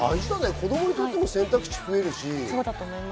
子供にとっても選択肢が増えるし。